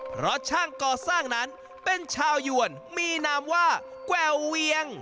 เพราะช่างก่อสร้างนั้นเป็นชาวยวนมีนามว่าแกวเวียง